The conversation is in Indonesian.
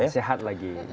iya sehat lagi